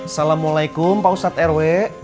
assalamualaikum pak ustadz rw